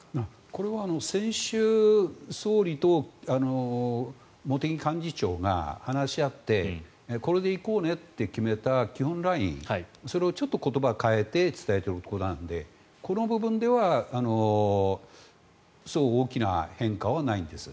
これは先週総理と茂木幹事長が話し合ってこれで行こうねと決めた基本ライン、それをちょっと言葉を変えて伝えていることなのでこの部分ではそう大きな変化はないんです。